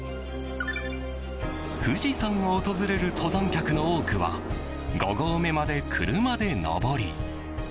富士山を訪れる登山客の多くは５合目まで車で登り